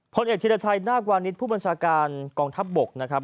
ผลเอกธิรชัยนาควานิสผู้บัญชาการกองทัพบกนะครับ